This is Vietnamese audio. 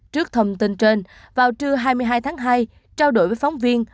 trước thông tin trên vào trưa hai mươi hai tháng hai trao đổi với phóng viên